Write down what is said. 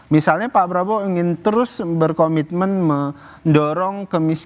misalnya pak prabowo ingin terus berkomitmen mendorong kemiskinan